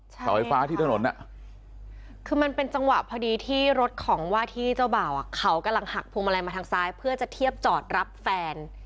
ก็ไฟฟ้าที่บันหนังด้วยอะคือมันเป็นจังหวะพอดีที่รถของวาที่เจ้าบ่าวเขากำลังหักฮูมไรมันทางซ้ายเพื่อจะเทียบจอดรับแฟน